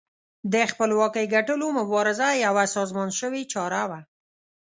د خپلواکۍ ګټلو مبارزه یوه سازمان شوې چاره وه.